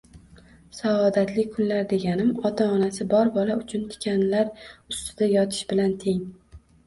Saodatli kunlar deganim, ota-onasi bor bola uchun tikanlar ustida yotish bilan teng.